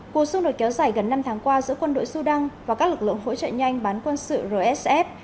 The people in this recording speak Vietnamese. cuộc xung đột kéo dài gần năm tháng qua giữa quân đội sudan và các lực lượng hỗ trợ nhanh bán quân sự rsf